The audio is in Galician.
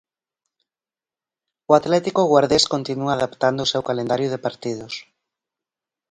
O Atlético Guardés continúa adaptando o seu calendario de partidos.